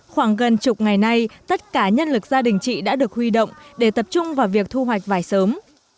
khoảng gần chục ngày nay tất cả nhân lực gia đình chị đã được huy động để tập trung vào việc thu hoạch vải sớm